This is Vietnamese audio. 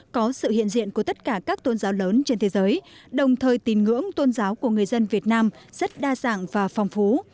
có sự hiện diện của tất cả các tôn giáo lớn trên thế giới đồng thời tín ngưỡng tôn giáo của người dân việt nam rất đa dạng và phong phú